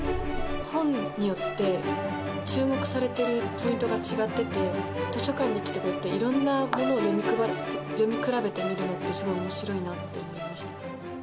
本によって注目されてるポイントが違ってて図書館に来てこうやっていろんなものを読み比べてみるのってすごい面白いなって思いました。